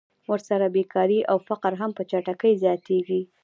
ورسره بېکاري او فقر هم په چټکۍ زیاتېږي